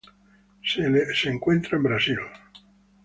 Se la halla en Brasil.